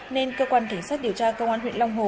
nên cơ quan cảnh sát điều tra công an huyện long hồ